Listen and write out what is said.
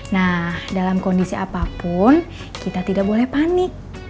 nah dalam kondisi apapun kita tidak boleh panik